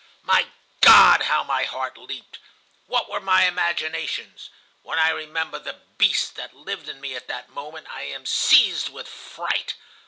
"My God! How my heart leaped! What were my imaginations! When I remember the beast that lived in me at that moment, I am seized with fright.